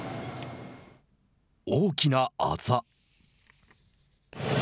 大きなあざ。